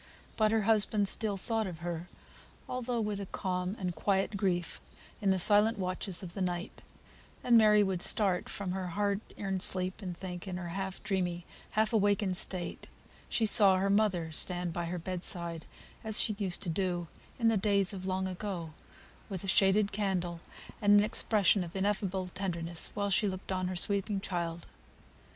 But her husband still thought of her, although with a calm and quiet grief, in the silent watches of the night: and Mary would start from her hard earned sleep, and think in her half dreamy, half awakened state, she saw her mother stand by her bed side, as she used to do "in the days of long ago;" with a shaded candle and an expression of ineffable tenderness, while she looked on her sleeping child.